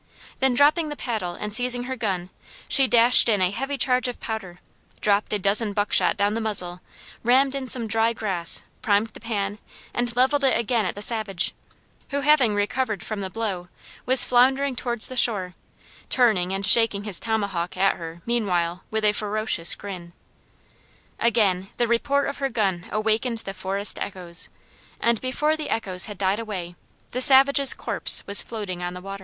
Then dropping the paddle and seizing her gun she dashed in a heavy charge of powder, dropped a dozen buck shot down the muzzle, rammed in some dry grass, primed the pan, and leveled it again at the savage, who having recovered from the blow, was floundering towards the shore, turning and shaking his tomahawk at her, meanwhile, with a ferocious grin. Again the report of her gun awakened the forest echoes, and before the echoes had died away, the savage's corpse was floating on the water.